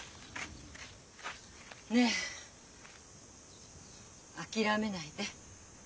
ねえ諦めないで。